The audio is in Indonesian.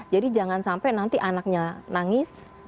jadi jangan sampai nanti anaknya nangis